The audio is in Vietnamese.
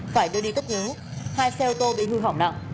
phải đưa đi cấp cứu hai xe ô tô bị hư hỏng nặng